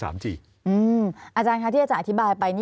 อาจารย์คะที่อาจารย์อธิบายไป